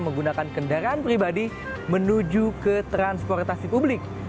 menggunakan kendaraan pribadi menuju ke transportasi publik